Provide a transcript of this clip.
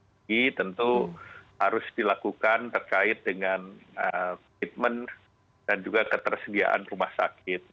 ini tentu harus dilakukan terkait dengan treatment dan juga ketersediaan rumah sakit